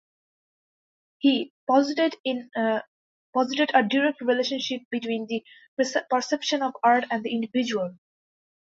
He posited a direct relationship between the perception of art and the individual.